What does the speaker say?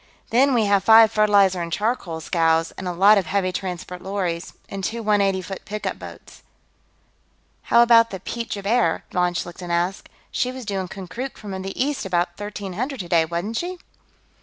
Then, we have five fertilizer and charcoal scows, and a lot of heavy transport lorries, and two one eighty foot pickup boats." "How about the Piet Joubert?" von Schlichten asked. "She was due in Konkrook from the east about 1300 today, wasn't she?"